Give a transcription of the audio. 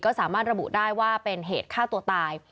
ก็สามารถระบุได้ว่าเป็นเหตุฆ่าตัวตาย